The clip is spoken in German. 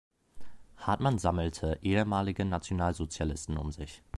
Hartmann sammelte ehemalige Nationalsozialisten um sich.